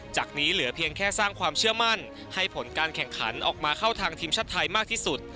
จากนี้เหลือเพียงแค่สร้างความเชื่อมั่นให้ผลการแข่งขันออกมาเข้าทางทีมชาติไทยมากที่สุด